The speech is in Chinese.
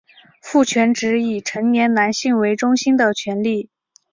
父权指以成年男性为中心的权力。